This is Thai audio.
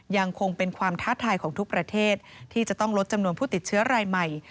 ยังคงเป็นความท้าทายของทุกประเทศที่จะต้องลดจำนวนผู้ติดเชื้อรายใหม่